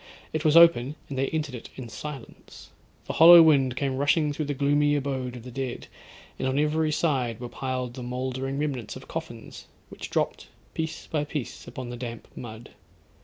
It was open, and they entered it in silence. The hollow wind came rushing through the gloomy abode of the dead; and on every side were piled the mouldering remnants of coffins, which dropped piece by piece upon the damp mud.